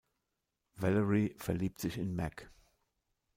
Valerie verliebt sich in Mac.